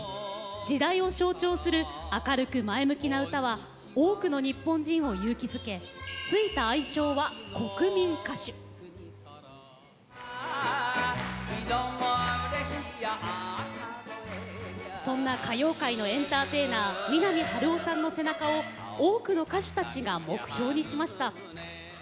時代を象徴する明るく前向きな歌は多くの日本人を勇気づけついた愛称はそんな歌謡界のエンターテイナー三波春夫さんの背中を多くの歌手たちが目標にしました。